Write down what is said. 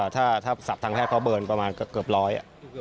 ถ้าทราบทางแพทย์เพราะเบิร์นก็เกือบร้อย